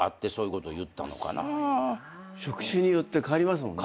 職種によって変わりますもんね。